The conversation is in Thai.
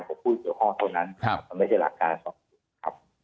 ของผู้เฉพาะเท่านั้นมันไม่ใช่หลักการสอบสวน